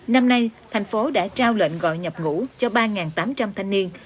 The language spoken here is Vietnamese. năm nay thành phố đã trao lệnh gọi nhập ngũ cho ba tám trăm linh thanh niên